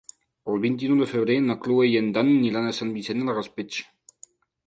El vint-i-nou de febrer na Cloè i en Dan aniran a Sant Vicent del Raspeig.